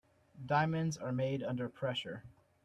Diamonds are made under pressure.